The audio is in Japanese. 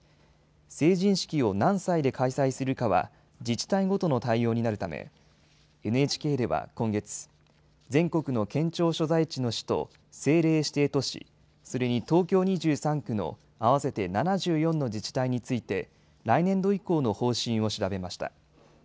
成人式を何歳で開催するかは自治体ごとの対応になるため、ＮＨＫでは今月、全国の県庁所在地の市と政令指定都市、それに東京２３区の合わせて７４の自治体について来年度以降の方針を調べました。